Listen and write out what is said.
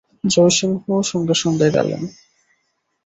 জয়সিংহও সঙ্গে সঙ্গে গেলেন।